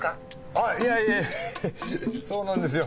あぁいえそうなんですよ。